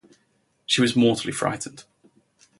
She was mortally frightened.